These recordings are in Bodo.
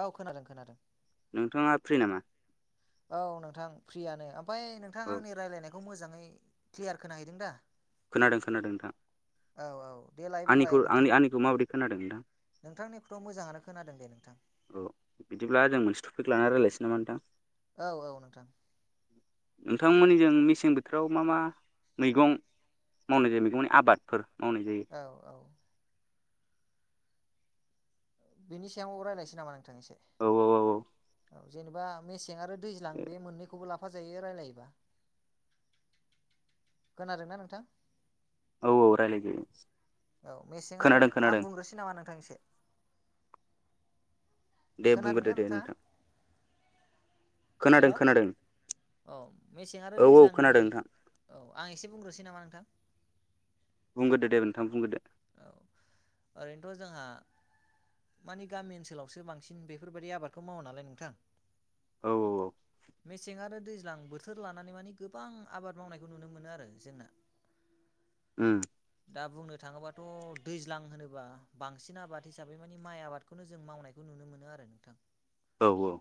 औ खोनादों खोनादों नोंथाङा फ्रि नामा औ नोंथां फ्रियानो ओमफफ्राय नोंथां औ आंनि राय्लायनायखौ मोजाङै क्लियार खोनाहैदों दा खोनादों खोनादों नोंथां औ औ देलाय बुंलाय आंनिखौ नोंथां आंनि आंनिखौ माबायदि खोनादों नोंथां नोंथांनिखौथ' मोजाङानो खोनादों दे नोंथां औ बिदिब्ला जों मोनसे टपिक लानानै राय्लाय बिसि नामा नोंथां औ औ नोंथां नोंथांमोननि जों मेसें बोथोराव मा मा मैगं मावनाय जायो मैगंनि आबादफोर मावनाय जायो औ औ बिनि सायाव राय्लायसै नामा नोंथांनिसिम औ औ औ औ औ जेनेबा मेसें आरो दैज्लां बे मोननैखौबो लाफ फाजायो रायलायोबा खोनादोंना नोंथां लोगो औ मेसें आरो आं बुंग्रोसै नामा नोंथांसे दे बुंग्रदो खोनादोंना दे नोंथाङा नोंथां खोनादों हेल' खोनादों औ मेसें आरो औ औ दैज्लांनि खोनादों नोंथां औ आं एसे बुंग्रोसै नामा नोंथां बुंगोदो दे नोंथां बुंग्रदो औ ओरैनोथ' जोंहा मानि गामि ओनसोलावसो बांसिन बेफोरबायदि आबादखौ मावा नालाय नोंथां औ औ औ मेसें आरो दैलां दैज्लां बोथोर लानानै मानिे गोबां आबाद मावनायखौ नुनो मोनो आरो जोंना उम दा बुंनो थाङोबाथ' दैज्लां होनोबा बांसिन आबाद हिसाबै मानिे माइ आबादखौनो जों मावनायखौ नु नुनो मोनो आरो नोंथां औ औ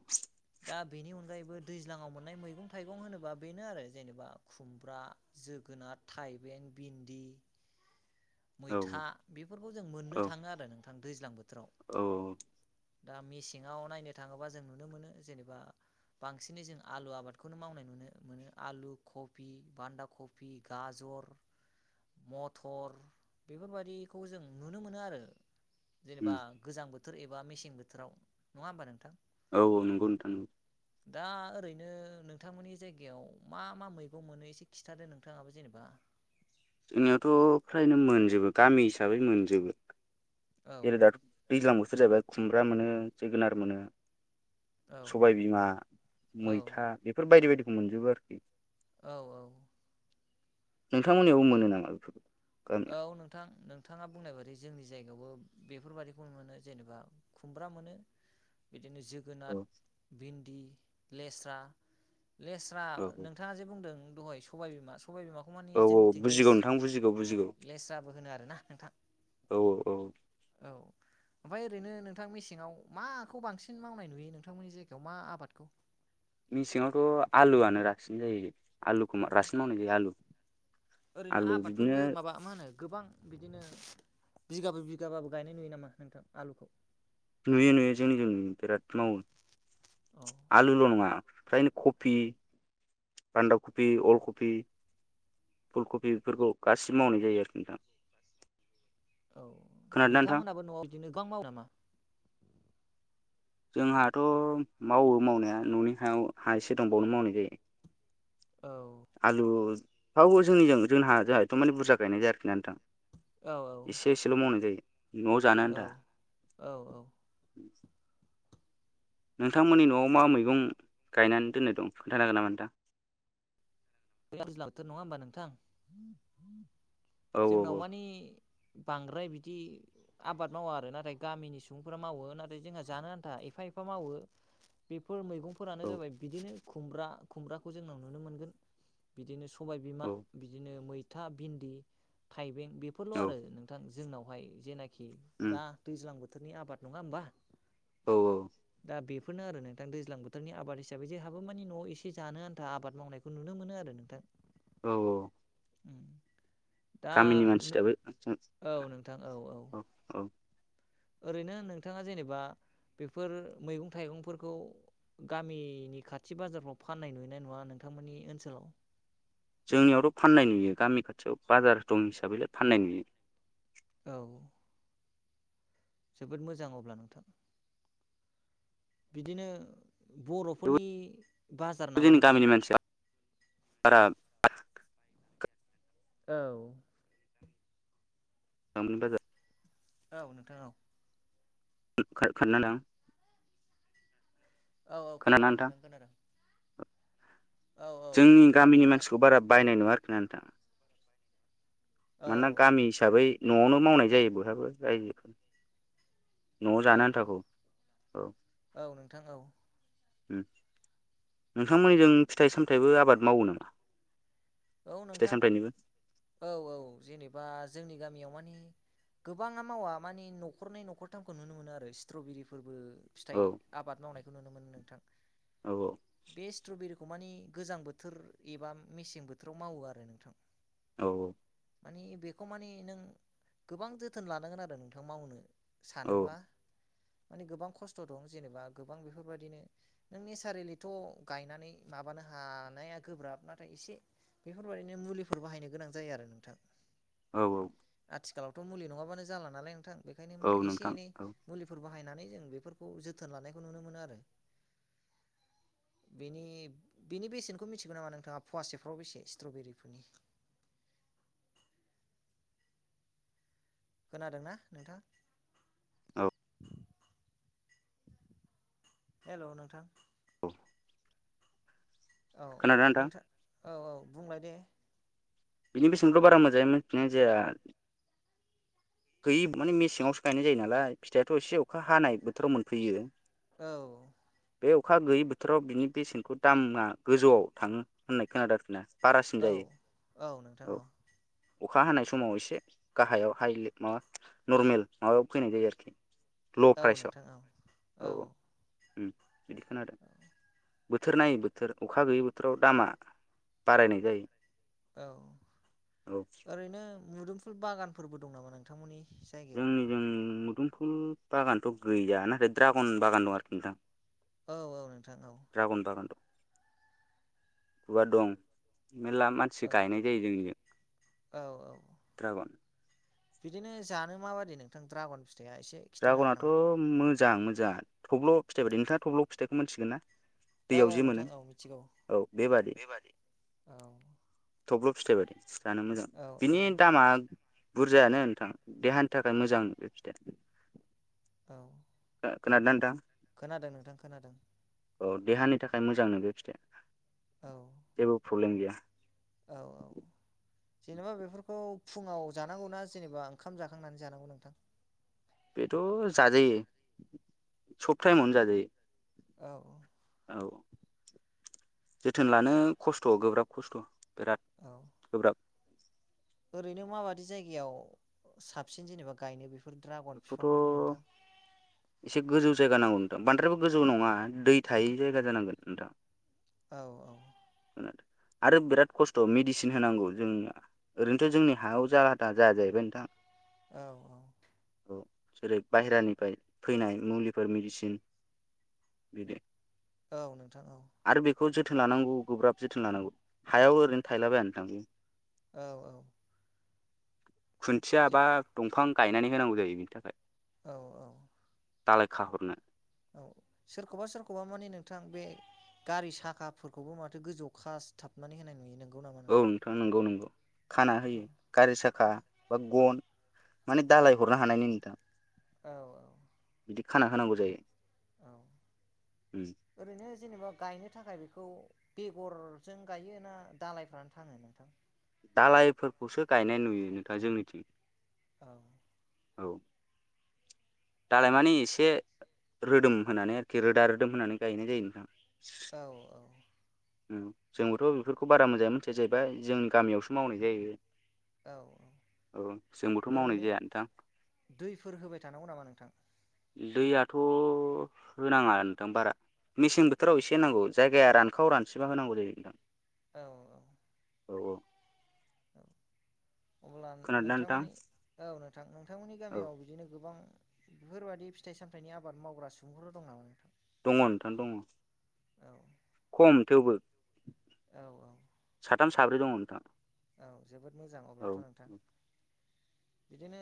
दा बेनि अनगायैबो दैज्लाङाव मोननाय मैगं थाइगं होनोबा बेनो आरो जेनेबा खुमब्रा जोगोन जोनार थाइबें भिन्दि औ मैथा बेफोरखौ जों औ मोननो थाङो आरो नोंथां दैज्लां बोथोर औ दा मेसेङाव नायनो थाङोबा जों नुनो मोनो जेनेबा बांसिनै जों आलु आबादखौनो मावनाय नुनो मोनो आलु खफि बान्दा खफि गाजर [inaudible] मथर बेफोरबायादिखौ जों नुनो मोनो आरो जेनेबा उम गोजां बोथोर बोथोर एबा मेसें बोथोराव नङा होमबा नोंथां औ औ नंगौ नोंथां नंगौ दा ओरैनो नोंथांमोननि जायगायाव मा मा मैगं मोनो एसे खिन्थादो नोंथाङाबो जेनेबा [inaudible] जोंनियावथ' फ्रायनो मोनजोबो गामि हिसाबै मोनजोबो औ जेरै दाथ' दैज्लां बोथोर जाहैबाय खुमब्रा मोनो जोगोनार मोनो औ सबायबिमा औ मैथा बेफोर बायदि बायदिखौ मोनजोबो आरोखि औ औ नोंथांमोननियावबो मोनो नाङा बेफोरखौ औ गामियाव नोंथां नों नथाङा बुंनाय बादि जोंनि जायगायावबो बेफोरबाददिखौ मोनो जेनेबा खुमब्रा मोनो बिदिनो जोगोनार औ भिन्दि लेस्रा लेस्रा औ नोंथाङा जे बुंदों दहाय सबाय बिमास औ औ बजग नोंथ बजगौ ब लेस जाबो होनो आरोना नोंथां औ औ औ औ ओमफफ्राय ओरैनो नोंथां मेसेङाव माखौ बांसिन मावनाय नुयो नोंथांमोननि जायगायाव मा आबादखौ मेसेङावथ' आलुआनो रासिन जायो आलुखौ औ रासिन मावनाय जायो आलु ओरैनो आलु बिदिनो आबादफोरबो माबा मा होनो गोबां बिदिनो बिगाबो बिगाबाबो गायनाय नुयो नामा नोंथां आलुखौ नुयो नुयो जोंनि जोंनि बिराद मावो औ आलुल' नङा फ्रायनो कपि बान्दा कफि अलकपि फुलकफिफोरखौ गासिबो मावनाय जायो आरोखि नोंथां औ खोनादोंना नोंथां नोंथांमोनहाबो न'आव बिदिनो गोबां मावो नामा? जोंहाथ' मावो मावनाया न'नि हायाव हा एसे दंबावनो मावनाय जायो। औ आलु बाव जोंनिजों जों जोंहथ' माने बुरजा गायनाय जायखि न नोंथां औ एसे एसेल' मावनाय जायो। न'आव जानो औ आन्था औ औ नोंथांमोननि न'आव मा मैगं गायनानै दोननो दं खोन्थान हागोन नामा नोंथां? दैज्लां बोथोर नङा होमबा नोंथां औ जोंनाव मानि बांद्राय बिदि आबाद मावा आरो नाथाय गामिनि सुबुंफोरा मावो नाथाय जोंहा जानो आन्था एफा एफा मावो बेफोर मैगं [inaudible] औ सबाय बिमा औ बिदिनो मैथा भिन्दि थाइबें बेफोरल' औ आरो नोंथां जोंनावहाय जेनाखि उम दा दैज्लां बोथोरनि आबाद नङा होमबा औ औ दा बेफोरनो आरो नोंथां दैज्लां बोथोरनि आबाद हिसाबै जोंहाबो मानि न'आव एसे जानो आन्था आबाद मावनायखौ नुनो मोनो आरो नों [inaudible] औ औ दा गामिनि मानसिफ्राबो औ औ ओरैनो नोंथाङा जेनेबा बेफोर मैगं थाइगंफोरखौ गामिनि खाथि बाजारफ्राव फाननाय नुयनाय नङा नोंथांमोननि ओनसोलाव जोंनियावथ' फान्नाय नुयो गामि खाथियाव बाजार दं हिसाबैलाय फाननाय नुयो औ जोबोद मोजां अब्ला नोंथां बिदिनो थेवबो बर'फोरनि बाजार नामा नोंथां गामिनि औ [inaudible] औ नोंथांनाव [inaudible] औ औ खोनादों नोंथां खोनादों औ औ जोंनि खोनादों गामिनि नोंथां मानसिखौ बारा बायनाय नुवा आरोखिना नोंथाङा औ मानोना औ गामि हिसाबै न'आवनो मावनाय जायो बहाबो रायजोफोर न'आव जानो औ आन्थागौ औ औ नोंथां औ नोंथांमोननिजों फिथाइ सामथायाइबो आबाद मावो नामा औ फिथाइ नोंथां सामथाइनिबो औ औ जेनेबा जोंनि गामियाव मानि गोबाङा मावा मानि न'खरनै न'खरथामखौ नुनो मोनो आरो स्ट्रबेरि फोरबो फिथाइ औ आबाद मावनायखौ नुनो मोनो नोंथां औ बे स्ट्रबेरि खौ मानि गोजां बोथोर एबा मेसें बोथोराव मावो आरो नोंथां औ औ मानि बेखौ मानि नों गोबां जोथोन लानांगोन आरो नोंथां मावनो औ सानोब्ला माने गोबां खस्थ' दं जेनेबा गोबां बेफोरबायदिनो नों नेसारेलिथ' गायनानै माब हानाया गोब्राब नाथाय एसे बेफोरबायदिनो मुलिफोर बाहायनो गोनां जायो आरो नोंथां औ औ आथिखालावथ' मुलि नङाबानो जाला नालाय नोंथां बेनिखायनो औ माने एसे नोंथां एनै औ मुलिफोरखौ बाहायनानै जों बेफोरखौ जोथोन लानायखौ नुनो मोनो आरो बेनि बेनि बेसेनखौ मिथिगौ नामा नोंथाङा फवासे [inaudible] खोनादोंना नोंथां? औ हेल' नोंथां औ औ खोनादोंना नोंथां औ औ बुंलां दे बिनि बेसेनथ' बारा मोजाङोमोन बिनो जाया गैयै माने मेसेङावसो गायनाय जायो नालाय फिथाइाथ' एसे अखा हानाय बोथोराव मोनफैयो औ बे अखा गैयै बोथोराव बिनि बेसेनखौ दामा गोजौआव थाङो होननाय खोनादों आरोखि ना बारासिन औ जायो औ नोंथां औ अखा हानाय समाव एसे गाहायाव हाइ माबा नरमेल माबायाव फैनाय जायो आरोखि ल' औ नोंथां औ औ ओम बिदिखोनादों बोथोर नायै बोथोर अखा गैयै बोथोराव दामा बारायनाय जायो औ औ ओरैनो मुदोमफुल बागानफोरबो दं नामा नोंथांमोननि जायगायाव फुल बागानथ' गैया नाथाय ड्रागन बागान दं आरोखि नोंथां औ औ नोंथां औ गुवार दं मेरला मानसि गायनाय जायो जोंनिजों औ औ औ दड्रागन बिदिनो जानो माबायदि नोंथां दड्रागन फि ड्रागनाथ' मोजां मोजांया थब्ल' फिथाइ बायदि नोंथाङा थब्ल' फिथाइखौ मिथिगोन ना औ दैयाव औ जे मोनो नोंथां औ मिथिगौ बेबादि औ थब्ल' फिथाइ बाददि फिथानो मोजां औ औ बिनि दामा बुरजायानो नोंथां देहानि थाखाय मोजां बे फिथाया दाउ खोनादोंना नोंथां खोनादों नोंथां खोनादों औ देहानि थाखाय मोजां नंगो फिथाइ औ जेबो प्रब्लेम गैया औ औ जेनेबा बेफोरखौ फुङाव जानांगौना जेनबा ओंखाम जाखांनानै जानांगौ नोंथां बेथ' जाजायो सब टाइमावनो जाजायो औ औ जोथोन लानो खस्थ' गोब्राब खस्थ' बिराद औ गोब्राब ओरैनो माबादि जायगायाव साबसिन जेनेबा गायनो बे बेफोर ड्रागन बेखौथ' बिफांफोरखौ नोंथां एसे गोजौ जायगा नांगौ नोंथां बांद्रायो गोजौ नङा दै थायै जायगा जानांगोन नोंथां औ औ [inaudible] आरो बिराद खस्थ' मेडिसिन होनांगौ जोंना ओरैनोथ' जोंनि हायाव जालाथा जाया जाहैबाय नोंथां औ औ जेरै बाहेरानिफ्राय फैनाय मुलिफोर मेडिसिन बिदि औ नोंथां औ आरो बेखौ जोथोन लानांगौ गोब्राब जोथोन लानांगौ हायाव ओरैनो थायलाबायानो थांयो औ औ खुन्थिया जे बा दंफां गायनानै होनांगौ जायो बिनि थाखाय औ औ दालाय खाहरनो औ सोरखौबा सोरखौबा माने नोंथां बे गारि साखाफोरखौबो माथो गोजौखा सिथाबनानै होनाय नुयो औ नोंथां नंगौ नंगौ खाना औ होयो गारि साखा बा गन माने दालाय हरनो हानायनि नोंथां औ औ बिदि खाना होनांगौ जायो उम औ ओरैनो जेनेबा गायनो थाखाय बेखौ बेगरजों गायो ना दालायफ्रानो थाङो नोंथां दालायफोरखौसो गायनाय नुयो नोंथां जोंनिथिं औ औ दालाय मानि एसे रोदोम होनानै आरखि रोदा रोदोम होनानै गायनाय जायो नोंथाङा औ औ जोंबोथ' बेफोरखौ बारा मोजाङै मिथिया जाहैबाय जोंनि गामियावसो मावनाय जायो औ औ जोंबोथ' मावनाय ओरैनो जाया नोंथां दैफोर होबाय थानांगौ नामा नोंथां दै आ थ' होनाङा नोंथां बारा मेसें बोथोराव एसे होनांगौ जायगाया रानखाव रान सिबा होनांगौ जायो नोंथां औ औ औ औ अब्ला खोनादोंना नोंथां नोंथांमोननि औ नोंथां नोंथांमोननि औ गामियाव बिदिनो गोबां बेफोरबायादि फिथाइ सामथाइनि आबाद मावग्रा सुबुंफोर दं नामा नोंथां दङ नोंथां दङ औ खम थेवबो औ औ साथाम साब्रै दङ नोंथां औ जोबोद मोजां अब्लाथ' औ नोंथां बिदिनो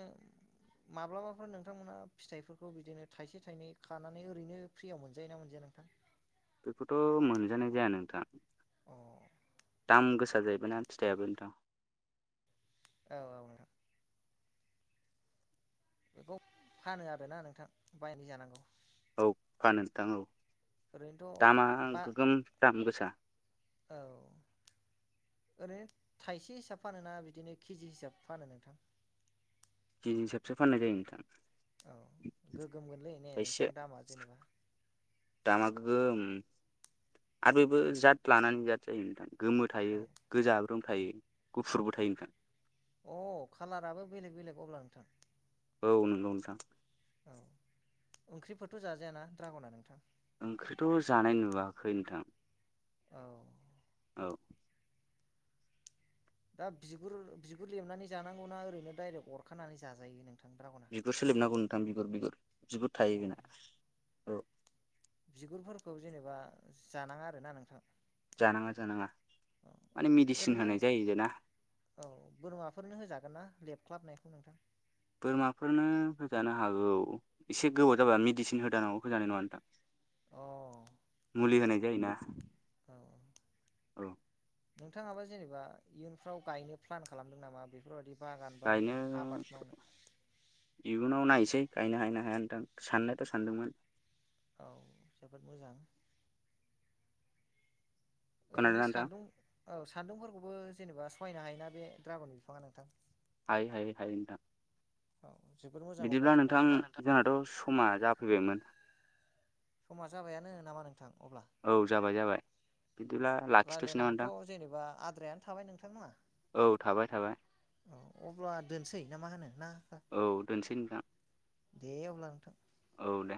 माब्लाबाफोर नोंथांमोना फिथाइफोरखौ बिदिनो थाइसे थाइनै खानानै ओरैनो फ्रियाव मोनजायो ना मोनजाया नों [inaudible] बेखौथ' मोनजानाय जाया नोंथां अ औ दाम गोसा सा जाहैबायना फिथाइयाबो नोंथां [unintelligible] बेखौ फानो आरो ना नोंथां बायनि जानांगौ औ फा नोंथां औ ओरैनोथ' दामा बा गोगोम दाम गोसा औ ओरैनो थाइसे हिसाब फानो ना बिदिनो केजि हिसाब फानो नोंथां केजि हिसाबसो फाननाय जायो नोंथां औ गोगोमगोनलै ने थाइसेया नोंथां दामा जेनेबा ओम आर बेबो जाद लानानै जाद जायो नोंथां गोमो थायो औ गोजाब्रोम थायो गुफुरबो थायो नोंथां अ कालाराबो बेलेग बेलेग अब्ला नोंथां औ नंगौ नोंथां औ ओंख्रिफोरथ' जाजायाना ड्रागना नोंथां ओंख्रिथ' जानाय नुवाखै नोंथां। औ औ दा बिगुर बिगुर लेबनानै जानांगौना ओरैनो डाइरेक्ट अरखानानै जाजायो नों। बिगुरसो लिबनांगौ नोंथां बिगुर बिगुर बिगुर अ थायो बेना र बिगुरफोरखौ जेनेबा जानाङा आरोना नोंथां। जानाङा जानाङा औ माने मेडिसिन ओरैनो होनाय जायो ना औ बोरमाफोरनो होजागोन ना लेफ ख्लाबनायखौ नोंथां। बोरमाफोरनो होजानो हागौ एसे गोबाव जाबा मेडिसिन होदानांगौ होजानाय नङा नोंथां। अ मुलि होनजा औ औ। नोंथाङाबा जेनेबा इयुनफ्राव गायनो प्लान खालामदों नामा बेफोरबायाददि। गायनो इयुनाव नायसै गायनो हायनो हाया होनथां साननायाथ' सानदोंमोन। औ जोबोद मोजां। ओरैनो खोनादोंना नोंथां सान्दुं औ सान्दुंफोरखौबो जेनेबा सहायनो हायोना बे द्रागन बिफाङा नोंथां। हायो हायो हायो नोंथां। औ जोबोद मोजां बिदिब्ला अब्लाथ' ना नोंथां जोंहाथ' समा जाफैबायमोन। समा जाबायानो नामा नों। औ जाबाय जाबाय। बिदिब्ला लाखिथ'सै नामा नोंथां रायलायनांगौथ' जेनेबा आद्रायानो थाबाय नोंथांमोना। औ थाबाय थाबाय। औ अब्ला दोनसै ना मा होनो ना? औ दोनसै नोंथां दे अब्ला नोंथां औ दे